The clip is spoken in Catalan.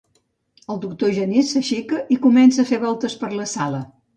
El doctor Genís s'aixeca i comença a fer voltes per la sala.